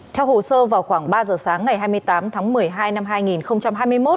theo hồ sơ vào khoảng ba giờ sáng ngày hai mươi tám tháng một mươi hai năm hai nghìn hai mươi một